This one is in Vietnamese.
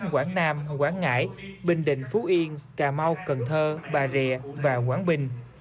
quảng nam quảng ngãi bình định phú yên cà mau cần thơ bà rịa và quảng bình